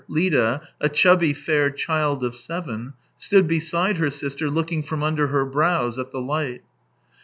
Lida, a chubby fair child of seven, stood beside her sister looking from under her brows at the light.